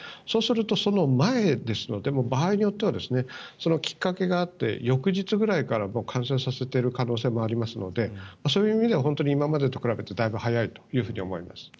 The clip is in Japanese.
そうすると、その前ですので場合によってはそのきっかけがあって翌日くらいから感染させている可能性もありますのでそういう意味では本当に今までと比べてだいぶ早いと思います。